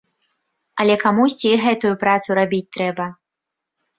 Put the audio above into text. Але камусьці і гэтую працу рабіць трэба.